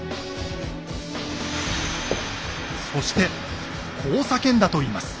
そしてこう叫んだといいます。